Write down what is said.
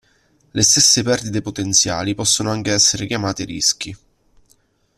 Le stesse perdite potenziali possono anche essere chiamate "rischi".